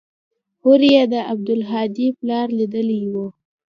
هورې يې د عبدالهادي پلار ليدلى و.